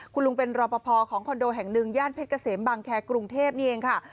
คุณลุงเป็นรอปภของคอนโดแห่งหนึ่งย่านเพชรเกษมบางแครกรุงเทพนี่เองค่ะ